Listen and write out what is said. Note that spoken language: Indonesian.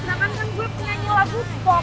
sedangkan kan gue pengen nyanyi lagu kok